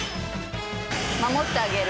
守ってあげる。